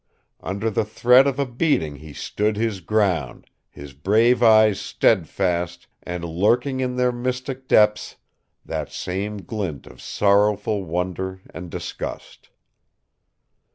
Under the threat of a beating he stood his ground, his brave eyes steadfast, and, lurking in their mystic depths, that same glint of sorrowful wonder and disgust.